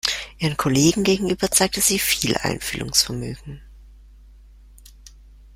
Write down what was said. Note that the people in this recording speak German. Ihren Kollegen gegenüber zeigte sie viel Einfühlungsvermögen.